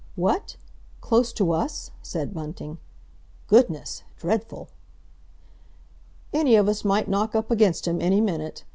"What? Close to us?" said Bunting. "Goodness! dreadful!" "Any of us might knock up against him any minute.